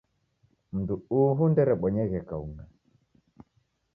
Mndu uhu nderebonyeghe kaung'a